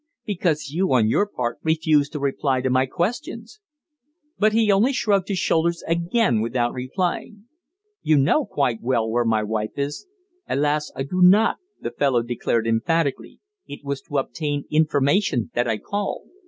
"Because you, on your part, refuse to reply to my questions." But he only shrugged his shoulders again without replying. "You know quite well where my wife is." "Alas! I do not," the fellow declared emphatically. "It was to obtain information that I called."